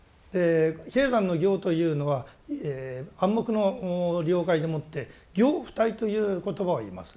比叡山の行というのは暗黙の了解でもって「行不退」という言葉を言います。